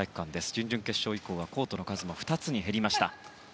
準々決勝以降はコートの数も２つに減りました。